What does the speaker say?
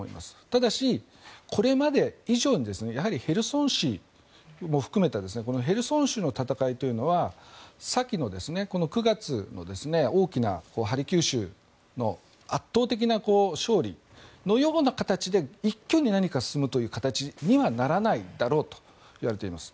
ただし、これまで以上にやはりヘルソン市も含めたヘルソン州の戦いというのは先の９月の大きなハルキウ州の圧倒的な勝利のような形で一挙に何か進むという形にはならないだろうといわれています。